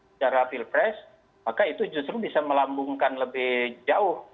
secara pilpres maka itu justru bisa melambungkan lebih jauh